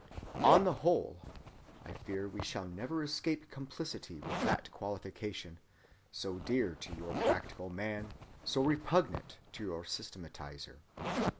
"On the whole,"—I fear we shall never escape complicity with that qualification, so dear to your practical man, so repugnant to your systematizer!